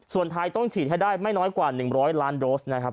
ส่วนท้ายต้องฉีดให้ได้ไม่น้อยกว่า๑๐๐ล้านโดสต์